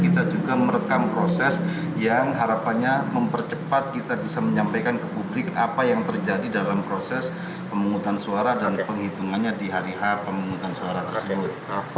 kita juga merekam proses yang harapannya mempercepat kita bisa menyampaikan ke publik apa yang terjadi dalam proses pemungutan suara dan penghitungannya di hari h pemungutan suara tersebut